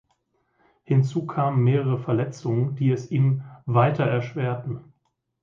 Hinzu kamen mehrere Verletzungen, die es ihm weiter erschwerten.